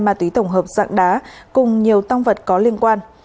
ma túy tổng hợp dạng đá cùng nhiều tăng vật có liên quan